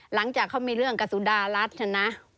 หลังจากเขามีเรื่องกับสุดารัฐนะ